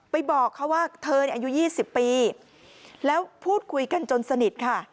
บอกเขาว่าเธออายุ๒๐ปีแล้วพูดคุยกันจนสนิทค่ะ